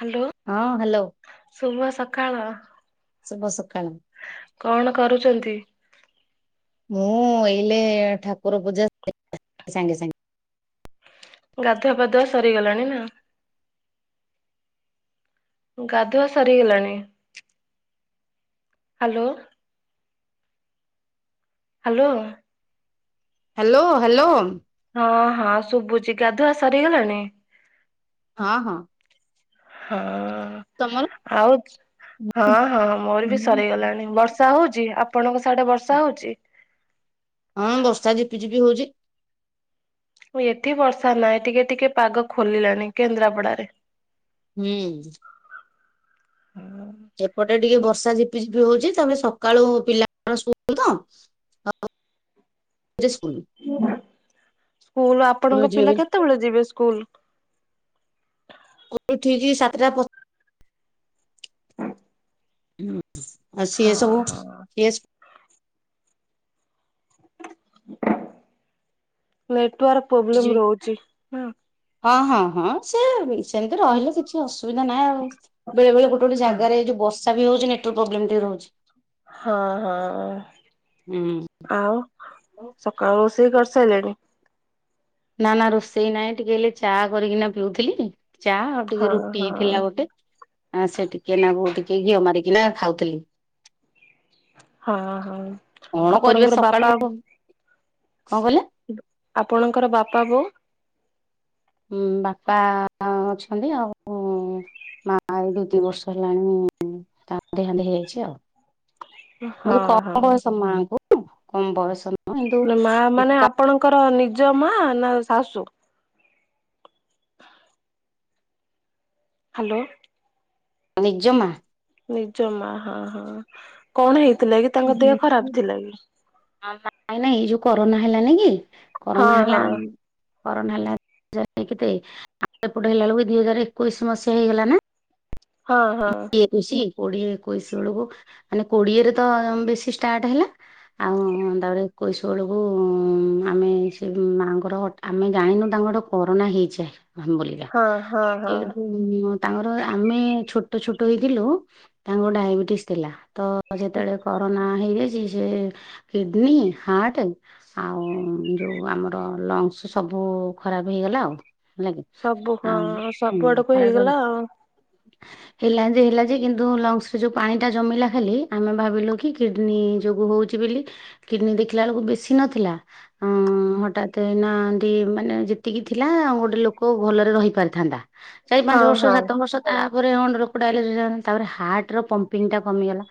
Hello. ହଁ, hello. ଶୁଭ ସକାଳ। ଶୁଭ ସକାଳ। କଣ କରୁଚନ୍ତି? ମୁଁ ଏଇଲେ ଠାକୁର ପୂଜା [inaudible] ସାଙ୍ଗେ ସାଙ୍ଗେ। ଗାଧୁଆ ପାାଧୁଆ ସରିଗଲାଣି ନା? ଗାଧୁଆ ସରିଗଲାଣି ହାଲୋ। ହାଲୋ। Hello hello. ହଁ ହଁ ଶୁବୁଚି ଗାଧୁଆ ସରିଗଲାଣି? ହଁ ହଁ। ହଁ ତମର ଆଉ ହଁ ହଁ ମୋର ବି ସରିଗଲାଣି ବର୍ଷ ର୍ଷା ହଉଚି ଆପଣଙ୍କ ସାଡେ ବର୍ଷା ହଉଚି? ହଁ ବର୍ଷା ଝିପି ଝିପି ହୋଉଚି। ଏଠି ବର୍ଷା ନାଇଁ ଟିକେ ଟିକେ ପାଗ ଖୋଲିଲାଣି କେନ୍ଦ୍ରାପଡାରେ। ହୁଁ। ଏପଟେ ଟିକେ ବର୍ଷା ଝିପିଝିପି ହଉଚି ତାପରେ ସକାଳୁ ପିଲାଙ୍କର ସ୍କୁଲ ତ ହ ହ ଯେ ସ୍କୁଲ ସ୍କୁଲ ଆପଣଙ୍କ ଯିବେ ପିଲା ବୋଲି ସ୍କୁଲ କେତେବଳେ ଯିବେ ସ୍କୁଲ? ଏଇ ଠିକି ସାତଟା ପ ହୁଁ ଆଉ ହଁ ସିଏ ସବୁ ହଁ ଇଏସ ନେଟୱାର୍କ ପ୍ରୋବ୍ଲେମ୍ ଯିବେ ରହୁଚି। ହଁ ହଁ ହଁ ସେ ସେମିତି ରହିଲେ କିଛି କିଛି ଅସୁବିଧା ନାଇଁ ଆଉ ବେଳେ ବେଳେ ଗୋଟେ ଗୋଟେ ହଁ ଜାଗାରେ ଏଇ ଯଉ ବର୍ଷା ବି ହଉଚି ନେଟୱର୍କ ପ୍ରୋବ୍ଲେମ ଟିକେ ରହୁଚି। ହଁ ହଁ ଆଉ ହୁଁ। ସକାଳୁ ରୋଷେଇ କରିସାଇଲେଣି। ନା ନା ରୋଷେଇ ନାଇଁ ଟିକେ ଏଇଲେ ଚା କରିକିନା ପିଉଥିଲି ଚା ହଁ ଟିକେ ରୁଟି ଥିଲା ହଁ ଗୋଟେ ଆ ସେ ଟିକେ ନାକୁ ଟିକେ ଘିଅ ମାରିକିନା ଖାଉଥିଲି। ହଁ ହଁ। କଣ କରିବେ ଆପଣଙ୍କର ବାପା ସକାଳୁ କଣ କହିଲେ? ଆପଣଙ୍କର ବାପା ବୋଉ? ହୁଁ ବାପା ଅଛନ୍ତି ଆଉ ମା ଏଇ ଦି ଦି ବର୍ଷ ହେଲାଣି ତା ଦେହାନ୍ତ ହେଇଯାଇଛି ଆଉ। ହଁ ବହୁତ ହଁ। କମ ବୟସ ମାଙ୍କୁ କମ ବୟସ ନୁହଁ କିନ୍ତୁ ମା ମାନେ ଏକା ଆପଣଙ୍କର ନିଜ ମା ନା ଶାଶୁ? ହାଲୋ। ନିଜ ମା। ନିଜ ମା ହଁ ହଁ କଣ ହେଇଥିଲା କି ତାଙ୍କ ଦେହ ଖରାପ ଥିଲା କି? ଆଁ ନାଇଁ ନାଇଁ ଏଇ ଯୋଉ କରୋନା ହେଲାନି କି ହଁ କରୋନା ହେଲା ହଁ କରୋନା ହେଲା ଦି ହଜାରେ କେତେ ଆଉ ଏପଟେ ହେଲା ବେଳକୁ ହଜାର ଏକୋଇଶ ମସିହା ହେଇଗଲା ନା। ହଁ ହଁ। ଏକୋଇଶି କୋଡିଏ ଏକୋଇଶି ବେଳକୁ ମାନେ କୋଡିଏରେ ତ ବେଶୀ ଷ୍ଟାର୍ଟ ହେଲା ଆଉ ତାପରେ ଏକୋଇସି ବେଳକୁ ଆମେ ସେ ମାଆଙ୍କର ହଟା ଆମେ ଜାଣିନୁ ତାଙ୍କଠେ କରୋନା ହେଇଚି ହମ ବୋଲିକା ହଁ ହଁ ହଁ। ସିଏ ହେଠୁ ଉଁ ତାଙ୍କର ଆମେ ଛୋଟ ଛୋଟ ହେଇଥିଲୁ ତାଙ୍କୁ ଡାଇବେଟିସ୍ ଥିଲା ତ ତ ଯେତେବେଳେ କରୋନା ହେଇଯାଇଚି ସେ କିଡନୀ ହାର୍ଟେ ଆଉ ଯୋଉ ଆମର ଲଙ୍ଗସ୍ ସବୁ ଖରାପ ହେଇଗଲା ଆଉ। ହେଲାକି ସବୁ ହଁ ଆ ହୁଁ ସବୁ ଆଡକୁ ଖରାପ ହେଇଗଲା ହେ ଆଉ ହେଲା ଯେ ହେଲା ଯେ କିନ୍ତୁ ଲଙ୍ଗସ ରେ ଯୋଉ ପାଣି ଟା ଜମିଲା ଖାଲି ଆମେ ଭାବିଲୁ କି କିଡନୀ ଯୋଗୁ ହଉ ଚି ବୋଲି କିଡନୀ ଦେଖିଲା ବେଳକୁ ବେଶୀ ନଥିଲା ହଁ ହଠାତ ନା ଏନ୍ତୀ ମାନେ ଯେତିକି ଥିଲା ଗୋଟେ ଲୋକ ଭଲରେ ରହି ପାରିଥାନ୍ତା। ଚାରି ପାଞ୍ଚ ହଁ ବର୍ଷ ହଁ। ସାତ ବର୍ଷ ତାପରେ ଅ [inaudible] ତାପରେ ହାର୍ଟର ପମ୍ପିଙ୍ଗଟା କମିଗଲା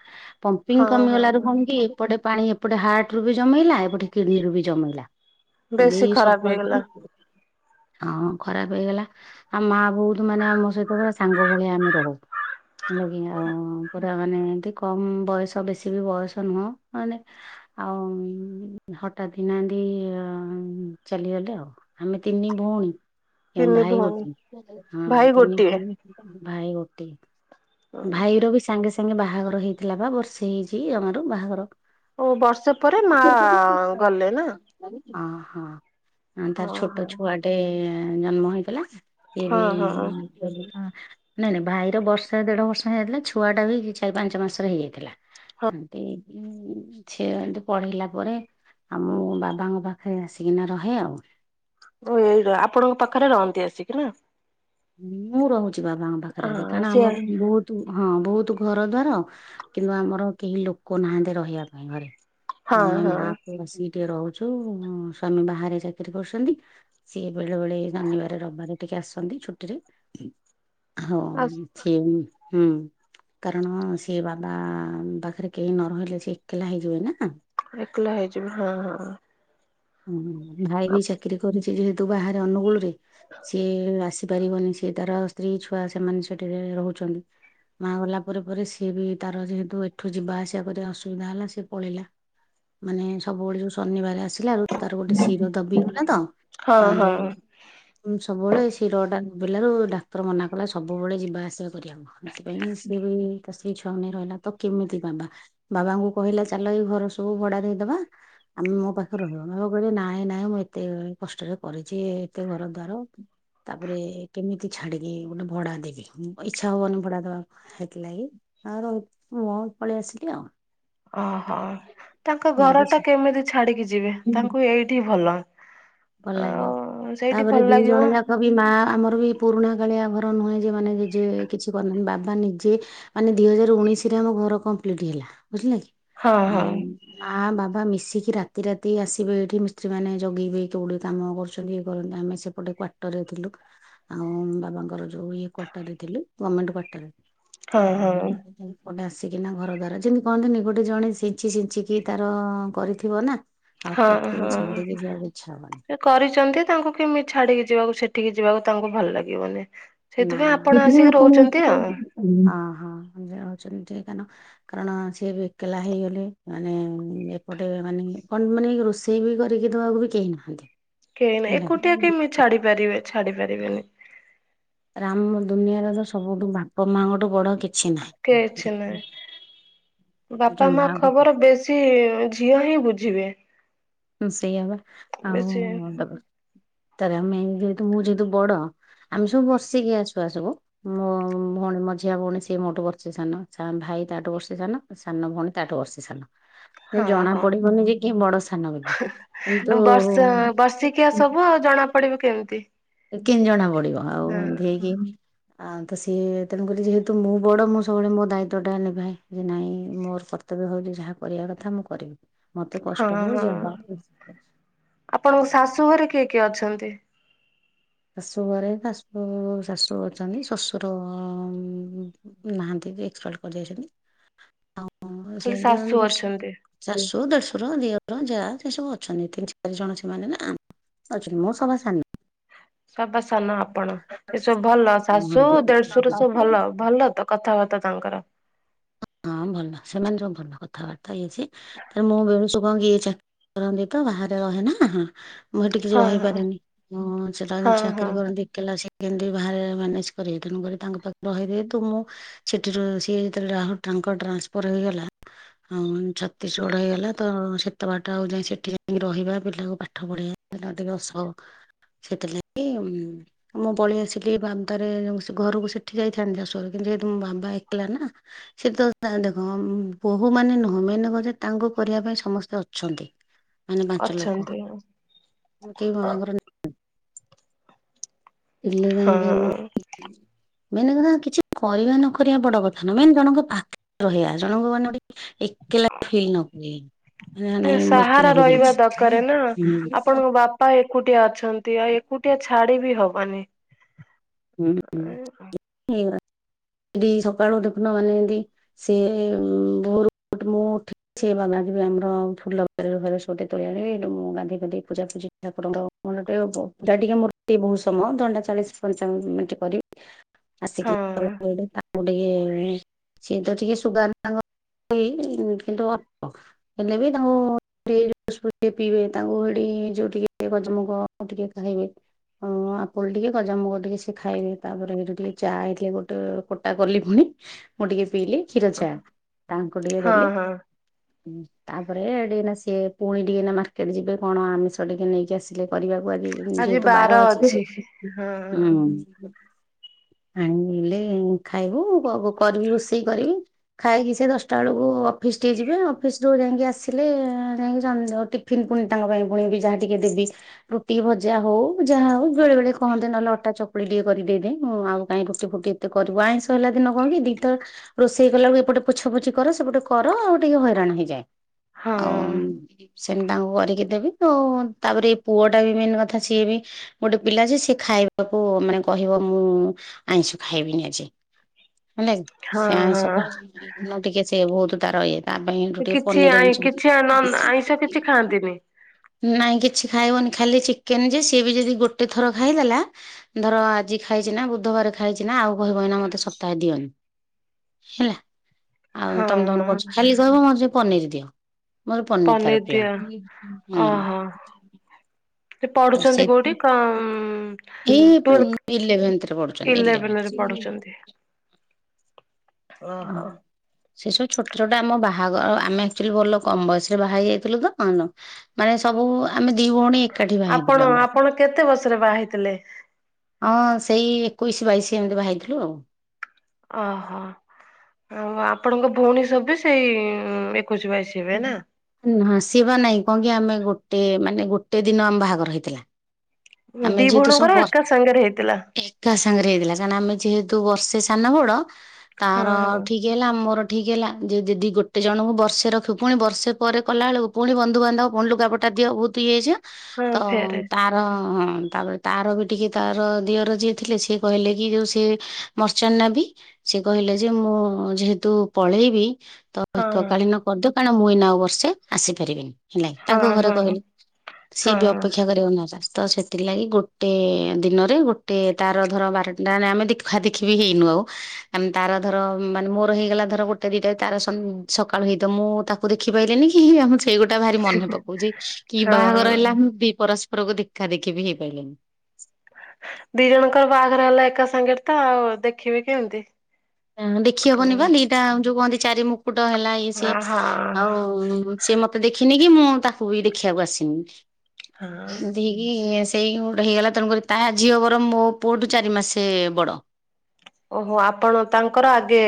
ପମ୍ପିଙ୍ଗ ହଁ ହଁ କମିଗଲାରୁ କଣ କି? ଏପଟେ ପାଣି ଏପଟେ ହାର୍ଟରୁ ବି ଜମେଇଲା ଏପଟେ କିଡନୀରୁୁ ବି ଜମେଇଲା। ଭି ବେଶୀ ଖରାପ ସବୁ ଆ ହେଇଗଲା ହଁ ଖରାପ ହେଇଗଲା ଆଉ ମା ବୋଉତ ମାନେ ଆମ ସହିତ ପୁରା ସାଙ୍ଗ ଭଳିଆ ଆମେ ରହୁ। ହେଲା କି ଆଉ ପୁରା ମାନେ ଏମତି କମ୍ ବୟସ ବେଶୀ ବି ବୟସ ନୁହଁ ମାନେ ଆଉ ହଠାତ୍ କିନା ଏନ୍ତି ଚାଲିଗଲେ ଆଉ ଆମେ ତିନି ଭଉଣୀ ଆମ ତିନି ଭାଇ ଭଉଣୀ ଗୋଟେ ହଁ ଭାଇ ତିନି ଗୋଟିଏ। ଭଉଣୀ ଭାଇ ଗୋଟିଏ। ଭାଇର ବି ସାଙ୍ଗେ ସାଙ୍ଗେ ବାହାଘର ହେଇଥିଲା ବା ବର୍ଷେ ହେଇଛି ଯମାରୁ ବାହାଘର। ଓ ବର୍ଷ ପରେ ମା ଗଲେ ନା ଅ ହଁ ତାର ଓହୋ ଛୋଟ ଛୁଆଟେ ଜନ୍ମ ହେଇଥିଲା ସିଏ ହଁ ବି ହଁ। ନାଇଁ ନାଇଁ ଭାଇ ବର୍ଷ ଦେଢବର୍ଷ ହେଇଯାଇଥିଲା ଛୁଆଟା ବି ଚାରି ପାଞ୍ଚ ମାସରେ ହେଇଯାଇଥିଲା ଏମତି ହୁଁ ଛେ ଏମତି ପଳେଇଲା ପରେ ଆ ମୁଁ ବାବାଙ୍କ ପାଖରେ ଆସିକି ନା ରହେ ଆଉ ଓ ଏ ଆପଣଙ୍କ ପାଖରେ ରହନ୍ତି ଆସିକି ନା ମୁଁ ରହୁଛି ବାବାଙ୍କ ପାଖରେ ହଁ କାରଣ ସିଏ ଆମର ବୋ ହଁ ବହୁତ ଘରଦ୍ଵାର କିନ୍ତୁ ଆମର କେହି ଲୋକ ନାହାଁନ୍ତି ରହିବା ପାଇଁ ଘରେ। ହଁ ଆମେ ହଁ। ମା ପୁଅ ଆସିକି ଟିକେ ରହୁଛୁ ସ୍ବାମୀ ବାହାରେ ଚାକିରି କରିସନ୍ତି। ସିଏ ବେଳେବେଳେ ଶନିବାର ରବବାର ଟିକେ ଆସନ୍ତି ଛୁ ଟିରେ ହଁ ଆ ସେ ହୁଁ କାରଣ ସିଏ ବାବା ପାଖେରେ କେହି ନ ରହିଲେ ସେ ଏକଲା ହେଇଯିବେ ନା। ଏକଲା ହେଇଯିବେ ହଁ ହଁ ହଁ ଭାଇ ବି ଚାକିରି କରିଛି ଯେହେତୁ ବାହାରେ ଅନୁଗୁଳରେ ସିଏ ଆସି ପାରିବନି ସେ ତାର ସ୍ତ୍ରୀ ଛୁଆ ସେମାନେ ସେଠାରେ ରହୁଛନ୍ତି। ମା ଗଲା ପରେ ପରେ ସିଏ ବି ତାର ଯେହେତୁ ଏଠୁ ଯିବା ଆସିବା କରିଆ ଅସୁବିଧା ହେଲା ସିଏ ପଳେଇଲା। ମାନେ ସବୁବେଳେ ଯୋଉ ଶନିବାର ଆସିଲାବେଳୁ ତାର ଗୋଟେ ଶିର ଦବିଗଲା ତ ହଁ ଆ ହଁ ଯୋଉ ସବୁବେଳେ ଶିରଟା ଗଲାରୁ ଡାକ୍ତର ମନା କଲା ସବୁବେଳେ ଯିବା ଆସିବା କରିଆ ସେଥିପାଇଁ ସିଏ ବି ତା ସ୍ତ୍ରୀ ଛୁଆଙ୍କୁ ରହିଲା ତ କେମିତି ବାବା ବାବାଙ୍କୁ କହିଲା ଚାଲ ଏଇ ଘର ସବୁ ଭଡା ଦେଇଦବା। ଆ ମୋ ପାଖରେ ରହିବ ବାବା କହିଲେ ନାଇଁ ନାଇଁ ମୁଁ ଏତେ କଷ୍ଟରେ କରିଛି ଏତେ ଘରଦ୍ଵାର ତାପରେ କେମିତି ଛାଡିକି ଗୋଟେ ଭଡା ଦେବି ଇଚ୍ଛା ହବନି ଭଡା ଦବାକୁ ସେଥିଲାଗି ଆଉ ରହ ମୁୁଁ ପଳେଇଆସିଲି ଆଉ ଓ ହ ତାଙ୍କ ମୋର କିଛି ଘରଟା କେମିତି ଛାଡିକି ଯିବେ ତାଙ୍କୁ ଏଇଠି ଭଲ। ଭଲ ଲାଗିବ ଆଉ ସେଇଠି ତାପରେ ଭଲ ଲାଗିବ ଦିଜଣ ଯା ତ ବି ମା ଆମର ବି ପୁରୁଣା କାଳିଆ ଘର ନୁହେଁ ଯେ ମାନେ ଜେଜେ କିଛି କରିନାହାଁନ୍ତି ବାବା ନିଜେ ମାନେ ଦିହଜାର ଉଣେଇଶରେ ଆମ ଘର କମ୍ପ୍ଲିଟ ହେଲା ବୁଝିଲେ କି? ହଁ ହଁ ଆଉ ମା ବାବା ମିଶିକି ରାତି ରାତି ଆସିବେ ଏଇଠି ମିସ୍ତ୍ରୀ ମାନେ ଜଗିବେ କେତେଗୁଡିଏ କାମ କରୁଛନ୍ତି ଇଏ କରନ୍ତି ଆମେ ସେପଟେ କ୍ଵାର୍ଟରରେ ଥିଲୁ। ଆଉ ବାବାଙ୍କର ଯୋଉ ଇଏ କ୍ୱାର୍ଟରରେ ଥିଲୁ ଗମେଣ୍ଟ କ୍ୱାର୍ଟର। ହଁ ଆଉ ହଁ। ଗୋଟେ ଆସିକି ନା ଘରଦ୍ଵାର ଯେନ୍ତି କହନ୍ତିନି ଗୋଟେ ଜଣେ ସିଞ୍ଚି ସିଞ୍ଚିକି ତାର କରିଥିବ ନା ହଠାତ୍ ହଁ କିନି ହଁ। ଛାଡିକି ଯିବାକୁ ଇଚ୍ଛା ହବନି। ସେ କରିଛନ୍ତି ତାଙ୍କୁ କେମିତି ଛାଡିକି ଯିବାକୁ ସେଠିକି ଯିବାକୁ ତାଙ୍କୁ ଭଲ ଲାଗିବନି। ନା ସେଇଥିପାଇଁ ନା ଆପଣ ସେଥିପାଇଁ ଆସିକି ଆପଣ ରହୁଛନ୍ତି ଆସି ରହୁ ଆଉ। ହଁ ହଁ ଯାଉଛନ୍ତି କାରଣ କାରଣ ସିଏ ବି ଏକଲା ହେଇଗଲେ ମାନେ ଏପଟେ ମାନେ କଣ ମାନେ ରୋଷେଇ ଷେଇ ବି କରିକି ଦବାକୁ ବି କେହିନାହାଁନ୍ତି। କେହି ନାହିଁ ଏକୁଟିଆ କେମିତି ଛାଡିପାରିବେ ଛାଡିପାରିବେନି। ରା ମ ଦୁନିଆର ତ ସବୁଠୁ ବାପା ମାଆଙ୍କଠୁ ବଡ କିଛି ନାହିଁ। କିଛି ନାଇଁ ଯୋଉ ବାପା ମା ଗୋ ଖବର ବେ ଶି ଝିଅ ହିଁ ବୁଝିବେ। ସେଇଆ ବା ଆଉ ବେଶୀ ତାର ଆମେ ଯେହେତୁ ମୁଁ ଯେହେତୁ ବଡ ଆମେ ସବୁ ବର୍ଷିକିଆ ଛୁଆ ସବୁ। ମୋ ଭୋଉଣୀ ମଝିଆ ଭୋଉଣୀ ସିଏ ମୋଠୁ ବର୍ଷେ ସାନ ସା ଭାଇ ତାଠ ବର୍ଷେ ସାନ। ସଥନ ଭୋଉଣୀ ତାଠୁ ବର୍ଷେ ସାନ। କେହି ହଁ ଜଣା ହଁ ପଡିବନି ଯେ କିଏ ବଡ ସାନ ବୋଲି। କିନ୍ତୁ ବର୍ଷ ବର୍ଷିକିଆ ସବୁ ଆଉ ଜଣା ପଡିବ କେମିତି? କେମିତି ଜଣା ପଡିବ ଆଉ ହଁ ଏମିତି ହେଇକି ଆଉ ତ ସିଏ ତେଣୁ କରି ଯେହେତୁ ମୁଁ ବଡ ମୁଁ ସବୁବେଳେ ମୋ ଦାୟିତ୍ଵ ଟା ନିଭାଏ। ଯେ ନାଇଁ ମୋର କ ର୍ତ୍ତବ୍ୟ ଭାବିକି ଯାହା କରିବା କଥା ମୁଁ କରିବି ମତେ କଷ୍ଟ ହଁ ହୋଉ ହଁ ଯାହା [unintelligible] ଆପଣଙ୍କ ଶାଶୁ ଘରେ କିଏ କିଏ ଅଛନ୍ତି? ଶାଶୁ ଘରେ ଶାଶୁ ଶାଶୁ ଅଛନ୍ତି। ଶଶୁର ଉଁ ନାହାନ୍ତି ବି ଏକ୍ପପାଡ କରିଯାଇଚନ୍ତି। ଆଉ ଖାଲି ସେମିତି ଆଉ ଶାଶୁ ଦେଢଶୁର ଅଛନ୍ତି [inaudible] ଶାଶୁ ଦେଢଶୁର ଦିଅର ଯାଆ ସେ ସବୁ ଅଛନ୍ତି ତିନି ଚାରି ଜଣ ସେମାନେ ନା। ଅଛନ୍ତି। ମୁଁ ସଭା ସାନ। ସବା ସାନ ଆ ପଣ ଏ ସବୁ ଭଲ ଶାଶୁ ଦେଢଶୁର ସବୁ ଭଲ ଭଲ ତ କଥାବାର୍ତ୍ତା ତାଙ୍କର? ହଁ ଭଲ ସେମାନେ ସବୁ ଭଲ କଥାବାର୍ତ୍ତା ଇଏ ସିଏ। ତ ମୁଁ ବେଣୁସୁ କଣ କିଏ ଇଏ ଚାକିରି କରନ୍ତି ତ ବାହାରେ ରହେନା ହଁ। ମୁଁ ହେଠି କିଛି ହଁ ହଁ ରହିପାରେନି ହଁ ସେ ତ ଏମିତି ହଁ ହଁ ଚାକିରି କରନ୍ତି। କହିଲା ସେ କେମିତି ବାହାରେ ମ୍ୟାନେଜ କରିବେ ତେଣୁ ଘରେ ତାଙ୍କ ପାଖରେ ରହେ ଯେହୁତୁ ମୁଁ ସେଠି ରୁହେ ସିଏ ଯେତେବେଳେ ରାହୁ ଟାଙ୍କର ଟ୍ରାନ୍ସଫର୍ ହୋଇଇଗଲା। ଆଉ ଛତିଶଗଡ ହେଇଗଲା ତ ସେତେ ବାଟ ଆଉ ଯାଇଁ ସେଠି ଯାଁଇକି ରହିବା। ପିଲାକୁ ପାଠ ପଢେଇବା। [unintelligible] ଟିକେ ସ ସେଥିଲାଗି ଉଁ ମୁଁ ପଳେଇ ଆସିଲି ବାମ୍ବାରେ ସେ ଘରକୁ ସେଠି ଯାଇଥାନ୍ତି ଶାଶୁ ଘର କିନ୍ତୁ ଯେହେତୁ ମୋ ବାମ୍ବା ଏକଲା ନା। ସେ ତ ତାହା ଦେଖ ବୋହୂ ମାନେ ନୁହଁ ମେନ୍ କଥା ତାଙ୍କୁ କରିବା ପାଇଁ ସମସ୍ତେ ଅଛନ୍ତି। ମାନେ ପାଞ୍ଚ ଲୋକ ଅଛନ୍ତି। କେହି ବାବାଙ୍କର ଥିଲେ କାହିଁକି ହଁ। ମୋର [unintelligible] ମେନ୍ କଥା କିଛି କରିବା ନ କରିବା ବଡ କଥା ନୁ ମେନ୍ ଜଣଙ୍କ ପାଖେ ରହିବା ଜଣଙ୍କ ମାନେ ଗୋଟେ ଏ ନାଇଁ [unintelligible] ମୁଁ ସାହାରା ଏକେଲା ରହିବା ହେଇଯାଇଛି। ଦରକକାର ନା ଆପଣଙ୍କ ବା ପା ଏକୁଟିଆ ଅଛନ୍ତି ଆଉ ଏକୁଟିଆ ଛାଡି ବି ହବନି। ହୁଁ ହୁଁ [inaudible] ସେଠି ସକାଳୁ ଦେଖୁନ ମାନେ ଏମିତି ସିଏ ଭୋରୁ ମୁଁ ଉଠି ସେ [unintelligible] ବି ଆମର ଫୁଲ ଘର ଘର [unintelligible] ତୋଳି ଆଣିବେ ଗାଧେଇ ପାଧେଇ ପୂଜା ଫୁଜି [unintelligible] [inaudible] ମୂର୍ତ୍ତି ବହୁ ସମୟ ଦଣ୍ଟା ଚାଳିଶ ପଞ୍ଚାବ ମିନିଟ୍ କରିବି ଆ ହଁ ତେଣୁ ତାକୁ ଟିକିଏ ସିଏ ତ ଟିକେ ସୁଗାର ତାଙ୍କ କିନ୍ତୁ ଅ ହେଲେ ବି ତାଙ୍କୁ [inaudible] [unintelligible] [inaudible] ସୁପ୍ ଟିକେ ପିଇବେ ତାଙ୍କୁ ହେଟି ଯୋଉ ଟିକେ ଗଜାମୁଗ ଟିକେ ଖାଇବେ। ହଁ ଆପୁଲ ଟିକେ ଗଜାମୁଗ ଟିକେ ସେଏ ଖାଇବେ। ତାପରେ ଏଇଠୁ ଟିକେ ଚା ହେଇଥିଲେ ଗୋ କୋଟା କଲି ଫୁଣି ମୁଁ ଟିକେ ପିଇଲି କ୍ଷୀର ଚା ତାଙ୍କୁ ଟିକେ ହଁ ଦେଲି। ହଁ ହୁଁ ତାପରେ ହେଟି ନା ସିଏ ପୁଣି ଟିକେ ନା ମାର୍କେଟ ଯିବେ କଣ ଆମିଷ ଟିକେ ନେଇକି ଆସି ଲେ କରିବାକୁ ଆଜି ଯେହେତୁ ବାର ଅଛି ହଁ ହୁଁ। ଆଣିଲେ ଖାଇବୁ କ-କରିବି ରୋଷେଇ କରିବି। ଖାଇକି ସେ ଦଶଟା ବେଳକୁ ଅଫିସ ଟିକେ ଯିବେ। ଅଫିସରୁୁ ଯାଇଁକି ଆସିଲେ ଯାଇକି ସଞ୍ଜ ଟି ଫିନ୍ ଫୁଣି ତାଙ୍କ ପାଇଁ ଫୁଣିବି ଯାହା ଟିକେ ଦେବି। ରୁଟି ଭଜା ହୋଉ ଯାହା ହୋଉ ବେଳେ ବେଳେ କହନ୍ତେ ନହେଲେ ଅଟା ଚକୁଳି ଟିକେଏ କରିଦେଇଦେ ମୁଁ ଆଉ କାଇଁ ରୁଟି ଫୁଟି କେତେ କରିବୁ ଆଁଇଶ ହେଲା ଦିନ କଣ କି ଦିଇଥର ରୋଷେଇ କଲା ବେଳକୁ ଏପଟେ ପୋଛାପୋଛି କର ସେପଟେ କର ଆଉ ଟିକେ ହଇରାଣ ହେଇଯାଏ। ଆଉ ହଁ। ସେମ ତାଙ୍କୁ କରିକି ଦେବି। ତ ତାପରେ ଏ ପୁଅ ଟା ବି ମେନ୍ କଥା ସିଏ ବି ଗୋଟେ ପିଲା ଯେ ସେ ଖାଇବାକୁ ମାନେ କହିବ ମୁଁ ଆଇଁଷ ଖାଇବିନି ଆଜି ହେଲାକି ହଁ ସେ ଆଇଁଷ ହଁ [unintelligible] ଟିକେ ସେ ବହୁତ ତାର ଇଏ। ତା ପାଇଁ ଏଠୁ ଟିକେ କିଛି ପନିର ଆଇଁ ଆଣିଛନ୍ତି କିଛି ବେଶି। ଆଇଁଷ କିଛି ଖାଆନ୍ତିନି। ନାଇଁ କିଛି ଖାଇବନି ଖାଲି ଚିକେନ ଯେ ସିଏ ବି ଯଦି ଗୋଟେ ଥର ଖାଇଦେଲା ଧର ଆଜି ଖାଇଛି ନା ବୁଧବାର ଖାଇଛି ନା ଆଉ କହିବ ଏଇନା ମତେ ସପ୍ତାହେ ଦିଅ ନି ହେଲା। ଆଉ ହଁ ତମେ ତମର ହଁ କରୁଛ ଖାଲି କହିବ ମୋତେ ଟିକେ ପନିର ଦିଅ। ମୋର ପନିର ତାର ପ୍ରିୟ ପନିର ପିଅ ହୁଁ। ଓହୋ ସେ ଆଉ ସେ ପଢୁଛନ୍ତି କୋଉଠି କମ ଏଇ ଟୁଏଲ୍ଭ। ଇଲେଭେନ୍ଥରେ ପଢୁଛନ୍ତି ଇଲେଭେନ୍ଥ ଇଲେଭେନ ରେ ପଢୁଛନ୍ତି। ଓହୋ। ହଁ। ସେ ସବୁ ଛୋଟ ଛୋଟ ଆମ ବାହାଘର ଆମେ ଆକ୍ଚୁଆଲି ଭଲ କମ ବୟସ ରେ ବାହା ହେଇ ଯାଇଥିଲୁ ତ [unintelligible] ମାନେ ସବୁ ଆମେ ଦି ଭଉଣୀ ଏକାଠି ବାହା ଆପଣ ହେଇଥିଲୁ ଆମର। ଆପଣ କେତେ ବର୍ଷରେ ବାହା ହେଇଥିଲେ? ହଁ ସେଇ ଏକୋଇଶି ବାଇଶି ଏମିତି ବାହା ହେଇଥିଲୁ ଆଉ। ଓହୋ ଆଉ ଆପଣଙ୍କ ଭଉଣୀ ସବୁ ସେଇ ଏକୋଇଶ ବାଇଶ ହଁ ଆସିବ ନାଇଁ କଣ କି ଆମେ ଗୋଟେ ମାନେ ଗୋଟେ ଦିନ ଆମ ବାହାଘର ହେଇଥିଲା। ଆମେ ଦି ଯେହେତୁ ସବୁ ଭଉଣୀଙ୍କର ବର୍ ଏକା ସାଙ୍ଗରେ ହେଇଥିଲା। ଏକା ସାଙ୍ଗରେ ହେଇଥିଲା କାରଣ ଆମେ ଯେହେତୁ ବର୍ଷେ ସାନ ବଡ଼ ହଁ ତାହାର ହଁ ଠିକ୍ ହେଲା ମୋର ଠିକ ହେଲା ଯେ ଯଦି ଗୋଟେ ଜଣଙ୍କୁ ବର୍ଷେ ରଖିବୁ ପୁଣି ବର୍ଷେ ପରେ କଲା ବେଳକୁ ପୁଣି ବନ୍ଧୁବାନ୍ଧବ ପୁଣି ଲୁଗାପଟା ଦିଅ ବହୁତ ଇଏ ହେଇଯିବ ହଁ ତ ଫେରେ ତାର ହଁ ତାପରେ ତାର ବି ଟିକେ ତାର ଦିଅର ଯିଏ ଥିଲେ ସିଏ କହିଲେ କି ଯେଉଁ ସିଏ ମର୍ଚେଣ୍ନ ନେଭି। ସେ କହିଲେ ଯେ ମୁଁ ଯେହେତୁ ପଳେଇବି ତ ହଁ ଏକକାଳୀନ କରିଦେ କାରଣ ମୁଁ ଏଇନା ଆଉ ବର୍ଷେ ଆସିପାରିବିନି। ହେଲାକି ହଁ ତାଙ୍କ ଘରେ ହଁ କହିଲେ ସିଏ ହଁ ବି ଅପେକ୍ଷା କରିବ ମୋ ପାଇଁ। ତ ସେଥିଲାଗି ଗୋଟେ ଦିନରେ ଗୋଟେ ତାର ଧର ବାରନଟା ଆମେ ଦେଖା ଦେଖି ବି ହେଇନୁ ଆଉ। ଆମ ତାର ଧର ମାନେ ମୋର ହେଇଗଲା ଧର ଗୋଟେ ଦିଟା ରେ ତାର ସନ ସକାଳୁ ହେଇଥିବ ମୁଁ ତା ମୁଁ ଦେଖି ପାଇଲିନି କି ଆମ ଛୁ ସେଇଗୋଟା ଭାରି ମନେ ପକଉଛି କି ବାହାଘର ହେଲା ହଁ ମୁଁ ଦି ପରସ୍ପରକୁ ଦେଖା ଦେଖି ବି ହେଇ ପାଇଲେନି। ଦି ଜଣଙ୍କର ବାହାଘରେ ହେଲା ଏକା ସାଙ୍ଗେରେ ତ ଆଉ ଦେଖିବି କେମିତି? ନା ଦେଖି ହବନି ପା ହଁ ଦିଟା ଯୋଉ କୁହନ୍ତି ଚାରି ମୁକୁଟ ହେଲା ଇଏ ସିଏ ହଁ ଆଉ ସେ ମତେ ଦେଖିନି କି ମୁଁ ତାକୁ ବି ଦେଖିବାକୁ ଆସିନି। ଏମତି ହେ କି ସେଇ ଗୋଟେ ହେଇଗଲା ତେଣୁକରି ତା ଝିଅ ବରଂ ମୋ ପୁଅଠୁ ଚାରି ମାସେ ବଡ଼। ଓହୋ ଆପଣ ତାଙ୍କର ଆଗେ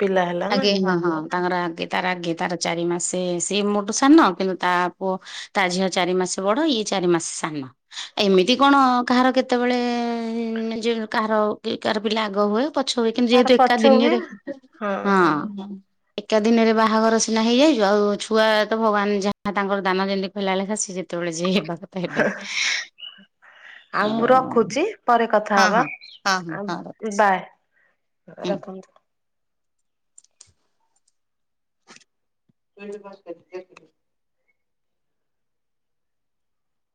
ପିଲା ହେଲା ନା ଆଗେ ହଁ ହଁ ତାଙ୍କର ଆଗେ ତାର ଆଗେ ତାର ଚାରି ମାସେ ସିଏ ମୋଠୁ ସାନ କିନ୍ତୁ ତା ପୁଅ ତା ଝିଅ ଚାରି ମାସେ ବଡ଼ ଇଏ ଚାରି ମାସେ ସାନ। ଏମିତି କଣ କାହାର କେତେବେଳେ ଯେ କାହାର କାହାର ପିଲା ଆଗ ହୁଏ। ପଛ ହୁଏ କିନ୍ତୁ ତାର ଯେହେତୁ ଏକା ପଛ ହୁଏ ଦିନରେ ହଁ ହଁ। ଏକା ଦିନରେ ବାହାଘର ସିନା ହେଇଯାଇଛୁ ଆଉ ଛୁଆ ତ ଭଗବାନ ଯାହା ତାଙ୍କର ଦାନ ଯେମି [unintelligible] ସିଏ ଯେତେବେଳେ ଯିଏ ହେବା କଥା ହେବେ। ଆଉ ମୁଁ ହଁ। ରଖୁଛି ପରେ କଥା ହଁ ହବା ହଁ ହଁ ହଁ ହଁ ଆଉ ରଖୁଛି ବାଏ। ହୁଁ। ରଖନ୍ତୁ। [unintelligible]